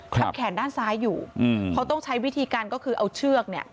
แขนด้านซ้ายอยู่เขาต้องใช้วิธีการก็คือเอาเชือกเนี่ย